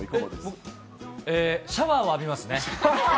僕、シャワーを浴びますね。